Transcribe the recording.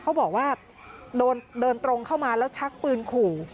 เขาบอกว่าเดินตรงเข้ามาแล้วชักปืนขู่